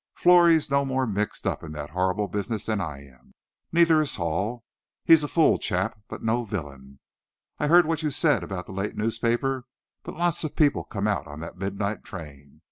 Florrie's no more mixed up in that horrible business than I am. Neither is Hall. He's a fool chap, but no villain. I heard what you said about the late newspaper, but lots of people come out on that midnight train.